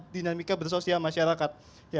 dinamika bersosial masyarakat